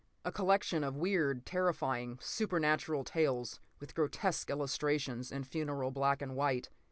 A collection of weird, terrifying, supernatural tales with grotesque illustrations in funereal black and white.